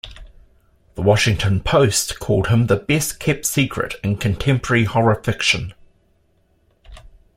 "The Washington Post" called him "the best kept secret in contemporary horror fiction.